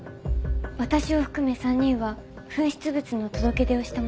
私を含め３人は紛失物の届け出をした者です。